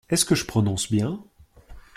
Est-ce que je prononce bien ?